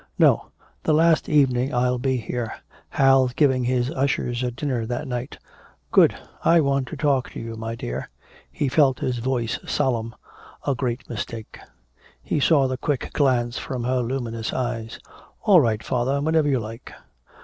"No the last evening I'll be here. Hal's giving his ushers a dinner that night." "Good. I want to talk to you, my dear." He felt his voice solemn, a great mistake. He saw the quick glance from her luminous eyes. "All right, father whenever you like."